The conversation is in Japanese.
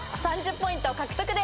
３０ポイント獲得です。